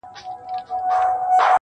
پردى کټ تر نيمي شپې دئ.